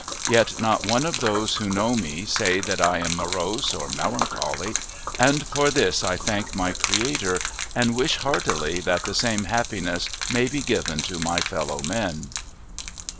Yet not one of those who know me say that I am morose or melancholy, and for this I thank my Creator and wish heartily that the same happiness may be given to my fellow men.